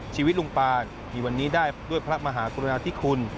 ชีวิตลุงปานมีวันนี้ได้ด้วยพระมหากรุณาธิคุณ